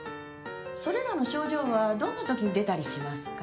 それらの症状はどんな時に出たりしますか？